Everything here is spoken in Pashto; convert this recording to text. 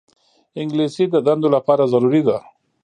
انګلیسي د دندو لپاره ضروري ده